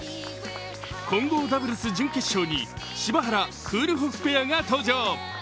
混合ダブルス準決勝に柴原・クールホフペアが登場。